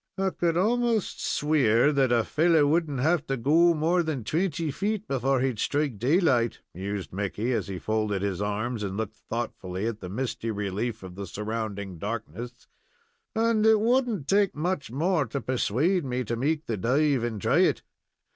"I could almost swear that a feller wouldn't have to go more than twenty feet before he'd strike daylight," mused Mickey, as he folded his arms and looked thoughtfully at the misty relief of the surrounding darkness; "and it would n't take much more to persuade me to make the dive and try it."